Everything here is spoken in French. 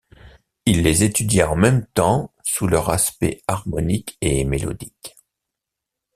Il les étudia en même temps sous leurs aspects harmoniques et mélodiques.